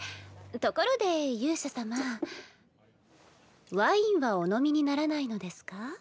ところで勇者様ワインはお飲みにならないのですか？